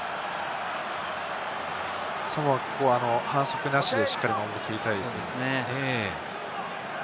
サモア、ここで反則なしで、しっかり守り切りたいですね。